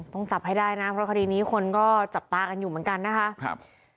ต้องจับให้ได้นะเพราะคดีนี้คนก็จับตากันอยู่เหมือนกันนะคะครับ